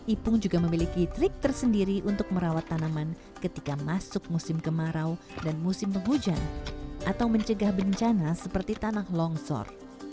ipung juga memiliki trik tersendiri untuk merawat tanaman ketika masuk musim kemarau dan musim penghujan atau mencegah bencana seperti tanah longsor